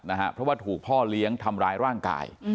เพราะว่าถูกพ่อเลี้ยงทำร้ายร่างกาย